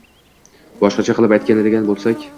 Boshqacha qilib aytadigan bo‘lsak